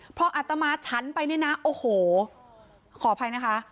เพราะอัตมาฉันไปขออภัยนะคะ